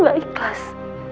yang aku gak ikhlas